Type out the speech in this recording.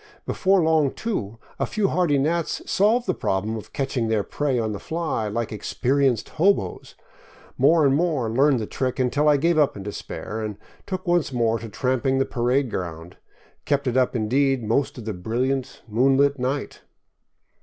Before long, too, a few hardy gnats solved the problem of catching their prey on the fly, like experienced " hoboes." More and more learned the trick, until I gave up in despair and took once more to tramping the parade ground ; kept it up, indeed, most of the brilliant, moonlit night.